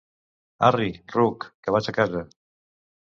Arri, ruc, que vas a casa.